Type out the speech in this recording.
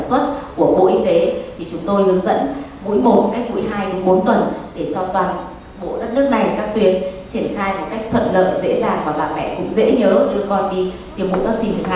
để cho toàn bộ đất nước này các tuyến triển khai một cách thuật lợi dễ dàng và bà mẹ cũng dễ nhớ đưa con đi tiêm chủng vắc xin thứ hai